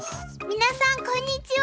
皆さんこんにちは。